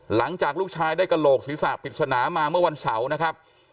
หลังจากลูกชายได้กระโหลกศีรษะปริศนามาเมื่อวันเสาร์นะครับ